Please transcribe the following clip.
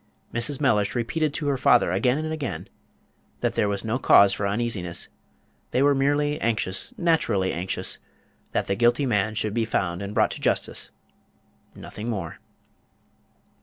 Mrs. Mellish repeated to her father again and again that there was no cause for uneasiness; they were merely anxious naturally anxious that the guilty man should be found and brought to justice nothing more.